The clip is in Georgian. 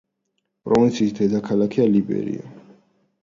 პროვინციის დედაქალაქია ლიბერია.